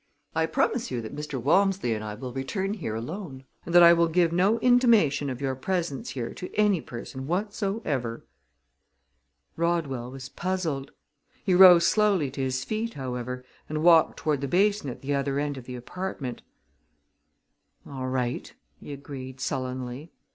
I promise you that Mr. Walmsley and I will return alone, and that I will give no intimation of your presence here to any person whatsoever." Rodwell was puzzled. He rose slowly to his feet, however, and walked toward the basin at the other end of the apartment. "All right!" he agreed sullenly.